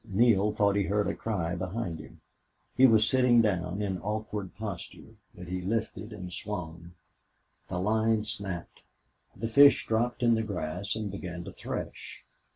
Neale thought he heard a cry behind him. He was sitting down, in awkward posture. But he lifted and swung. The line snapped. The fish dropped in the grass and began to thresh.